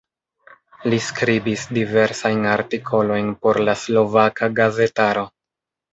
Li skribis diversajn artikolojn por la slovaka gazetaro.